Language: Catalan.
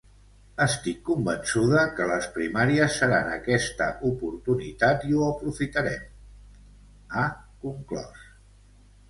Estic convençuda que les primàries seran aquesta oportunitat i ho aprofitarem, ha conclòs.